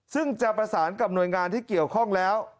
ซึ่งจะประสานกับหน่วยงานที่เกี่ยวข้องแล้ว